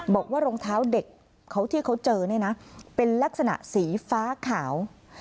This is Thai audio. บอกว่ารองเท้าเด็กเขาที่เขาเจอเนี่ยนะเป็นลักษณะสีฟ้าขาว